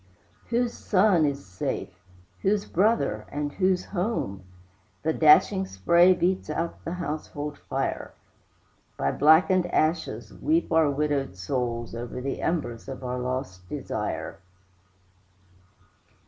Whose son is safe? whose brother, and whose home? The dashing spray beats out the household fire; By blackened ashes weep our widowed souls Over the embers of our lost desire.